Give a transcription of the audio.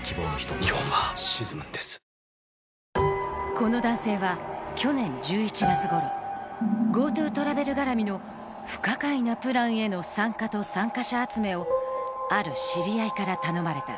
この男性は去年１１月ごろ、ＧｏＴｏトラベル絡みの不可解なプランへの参加と参加者集めをある知り合いから頼まれた。